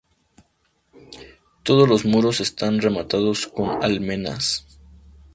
Todos los muros están rematados con almenas.